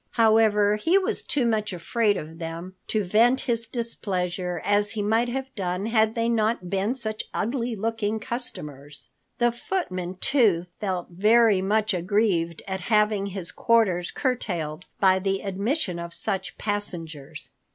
However, he was too much afraid of them to vent his displeasure as he might have done had they not been such ugly looking customers. The footman, too, felt very much aggrieved at having his quarters curtailed by the admission of such passengers.